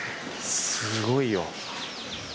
すごいよ。